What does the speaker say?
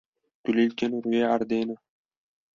kulîlkên rûyê erde ne.